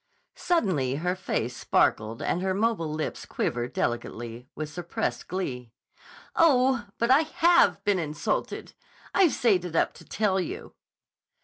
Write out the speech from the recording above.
Suddenly her face sparkled and her mobile lips quivered delicately with suppressed glee. "Oh, but I have been insulted. I've saved it up to tell you."